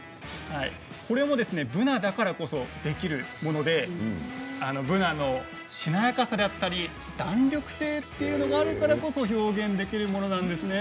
これもブナだからこそできるものでブナのしなやかさだったり弾力性というのがあるからこそ表現できるものなんですね。